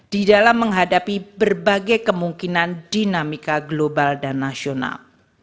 di dalam menghadapi berbagai kemungkinan dinamika global dan nasional